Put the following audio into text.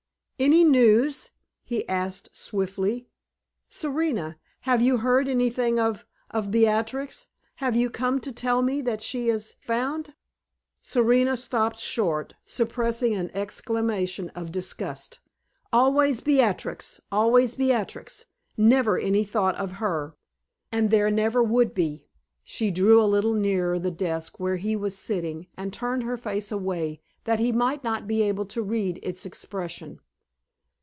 "Any news?" he asked, swiftly. "Serena, have you heard anything of of Beatrix? Have you come to tell me that she is found?" Serena stopped short, suppressing an exclamation of disgust. Always Beatrix always Beatrix! Never any thought of her and there never would be. She drew a little nearer the desk where he was sitting, and turned her face away, that he might not be able to read its expression.